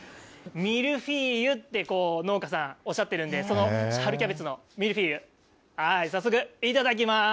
ミルフィーユって、農家さん、おっしゃってるんで、その春キャベツのミルフィーユ、早速、いただきます。